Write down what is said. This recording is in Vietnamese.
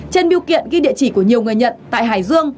trên biêu kiện ghi địa chỉ của nhiều người nhận